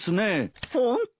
ホント。